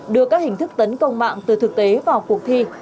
đưa các hình thức tấn công mạng từ thực tế vào cuộc thi